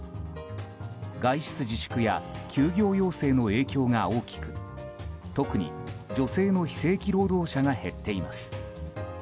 外出自粛や休業要請の影響が大きく特に女性の非正規労働者が減っています。